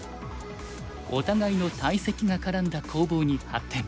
お互いの大石が絡んだ攻防に発展。